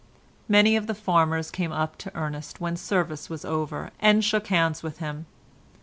Many of the farmers came up to Ernest when service was over, and shook hands with him.